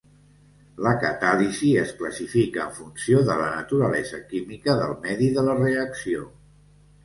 La catàlisi es classifica en funció de la naturalesa química del medi de la reacció.